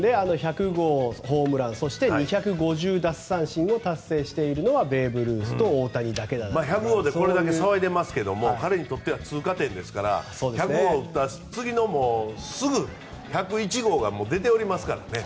１００号ホームランそして、２５０奪三振を達成しているのは１００号ってこれだけ騒いでいますが彼にとっては通過点ですから１００号打ったすぐ次にもう出ておりますからね。